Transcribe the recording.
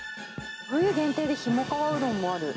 冬限定でひもかわうどんもある。